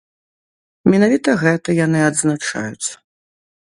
Менавіта гэта яны адзначаюць.